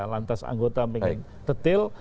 lantas anggota ingin detail